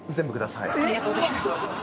ありがとうございます。